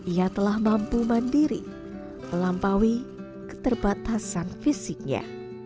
ia telah mampu mandiri melampaui keterbatasan fisiknya